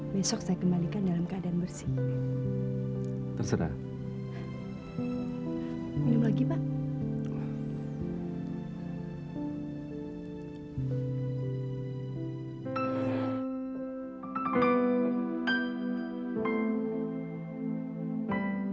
kesukaan bapak sama dengan kesukaan saya